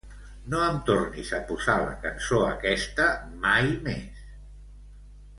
No em tornis a posar la cançó aquesta mai més.